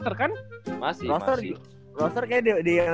tapi masih ada di roster kan